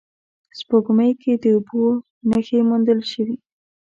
سپوږمۍ کې د اوبو نخښې موندل شوې